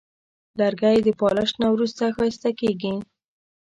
لرګی د پالش نه وروسته ښایسته کېږي.